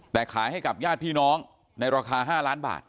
แต่ขายให้กับญาติพี่น้องในราคา๕ล้านบาท